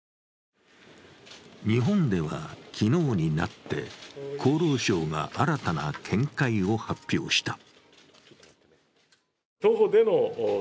日本では昨日になって厚労省が新たな見解を発表した。